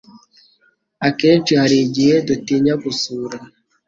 akenshi hari igihe dutinya gusura,